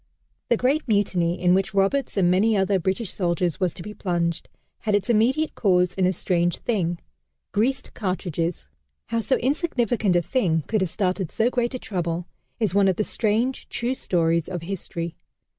The great Mutiny, in which Roberts and many another British soldier was to be plunged, had its immediate cause in a strange thing greased cartridges! How so insignificant a thing could have started so great a trouble is one of the strange, true stories of history.